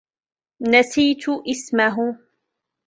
نسيت اسمه.